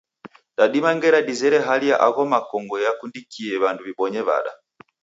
Dadima ngera dizere hali ya agho makongo yakundikie wandu wibonye wada?